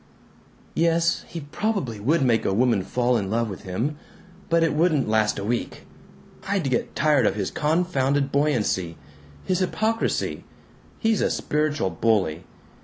"Yes. He probably would make a woman fall in love with him. But it wouldn't last a week. I'd get tired of his confounded buoyancy. His hypocrisy. He's a spiritual bully.